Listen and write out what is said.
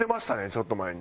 ちょっと前に。